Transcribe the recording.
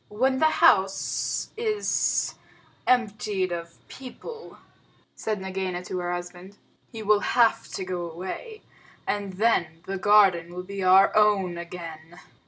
"When the house is emptied of people," said Nagaina to her husband, "he will have to go away, and then the garden will be our own again.